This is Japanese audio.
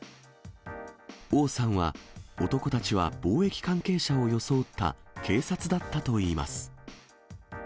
王さんは、男たちは防疫関係者を装った警察だったといいます。